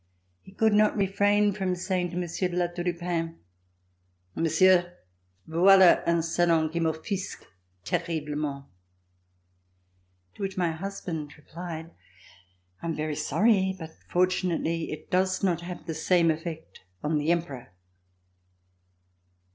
He could not refrain from saying to Monsieur de La Tour du Pin: Monsieur, voila un salon qui m'offusque terriblement." To which my husband replied: "I am very sorry, but fortunately, it does not have the same effect on the Emperor."